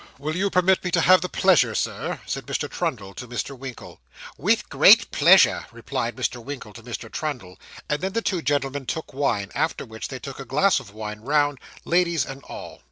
'Will you permit me to have the pleasure, Sir?' said Mr. Trundle to Mr. Winkle. 'With great pleasure,' replied Mr. Winkle to Mr. Trundle, and then the two gentlemen took wine, after which they took a glass of wine round, ladies and all.